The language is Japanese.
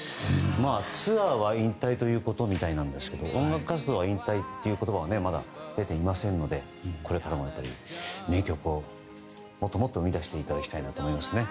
ツアーは引退ということみたいなんですが音楽活動の引退という言葉はまだ出ていませんのでこれからも名曲をもっともっと生み出していただきないなと思いますね。